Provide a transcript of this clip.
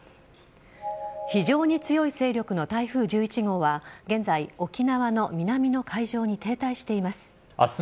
非常に強い勢力の台風１１号は現在、沖縄の南の海上に停滞しています。